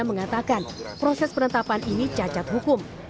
egy menganggap ada proses penetapan ini cacat hukum